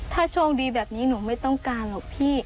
ถ้าโชคดีแบบนี้หนูไม่ต้องการหรอกพี่